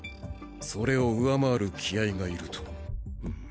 それを上回る気合がいると。